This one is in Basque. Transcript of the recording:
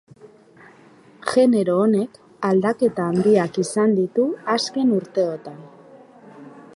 Genero honek aldaketa handiak izan ditu azken urteotan.